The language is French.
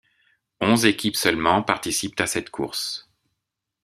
Onze équipes seulement participent à cette course.